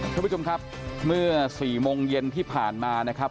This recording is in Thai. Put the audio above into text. ท่านผู้ชมครับเมื่อ๔โมงเย็นที่ผ่านมานะครับ